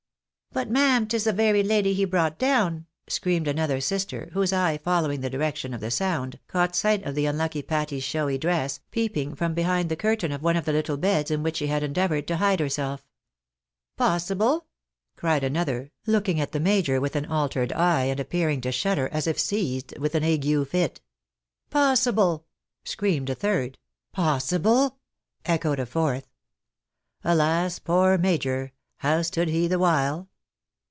" But, ma'am, 'tis the very lady he brought down ?" screamed another sister, whose eye following the direction of the sound, AK UNHAPPY HUSBA2S"D AND FATHER. 323 caught sight of the unlucky Patty's showy dress, peeping from behind the curtain of one of the httle beds, in which she had endeavoured to hide herself. " Possible ?" cried another, looking at the major with an altered eye, and appearing to shudder, as if seized with an ague fit. " Possible !" screamed a third. " Possible !" echoed a fourth. Alas, poor Major ! How stood he the while